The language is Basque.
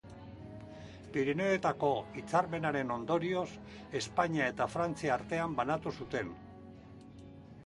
Pirinioetako Hitzarmenaren ondorioz Espainia eta Frantzia artean banatu zuten.